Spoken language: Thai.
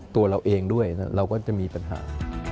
ตัวเราเองด้วยเราก็จะมีปัญหา